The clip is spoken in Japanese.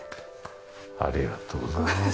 ありがとうございます。